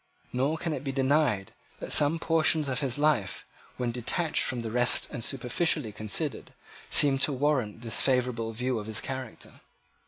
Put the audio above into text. Nor can it be denied that some portions of his life, when detached from the rest and superficially considered, seem to warrant this favourable view of his character.